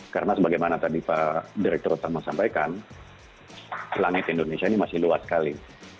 karena sebagaimana tadi pak direktur terutama sampaikan langit indonesia ini masih luas sekali